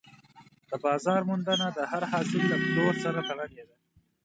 د بازار موندنه د هر حاصل له پلور سره تړلې ده.